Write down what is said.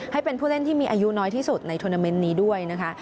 ให้เป็นผู้เล่นที่มีอายุน้อยที่สุดในทวนาเมนต์นี้ด้วยนะคะ